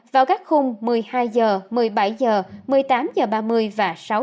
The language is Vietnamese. vào các khung một mươi hai h một mươi bảy h một mươi tám h ba mươi và sáu h sáng hôm sau